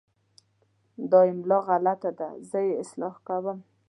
دا املا غلط ده، زه یې اصلاح کوم.